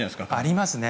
ありますね。